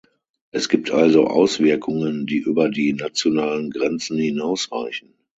Es gibt also Auswirkungen, die über die nationalen Grenzen hinausreichen.